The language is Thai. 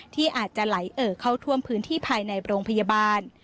ที่อาจจะไหลเอ่อเข้าท่วมพื้นที่ภายในโรงพยาบาล